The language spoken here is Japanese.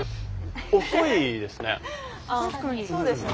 遅いですね。